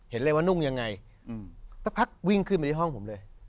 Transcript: เห็นเลยว่านุ่งยังไงสักพักวิ่งขึ้นมาที่ห้องผมเลย